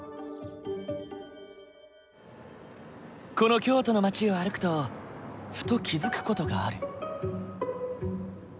この京都の街を歩くとふと気付く事がある。